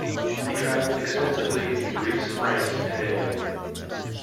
He travelled extensively in Greece, France and Italy.